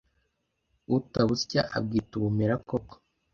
Utabusya abwita ubumera koko